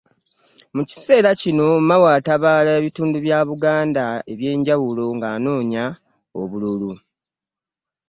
Mu kiseera kino, Mao atabaala ebitundu bya Buganda ebyenjawulo ng'anoonya obululu